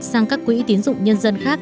sang các quỹ tiến dụng nhân dân khác